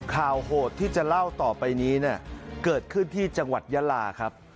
โหดที่จะเล่าต่อไปนี้เนี่ยเกิดขึ้นที่จังหวัดยาลาครับ